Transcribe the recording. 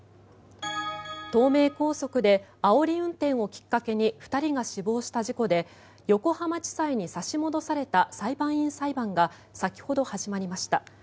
東名高速であおり運転をきっかけに２人が死亡した事故で横浜地裁に差し戻された裁判員裁判が先ほど始まりました。